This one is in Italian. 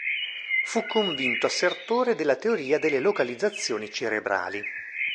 Fu convinto assertore della teoria delle localizzazioni cerebrali.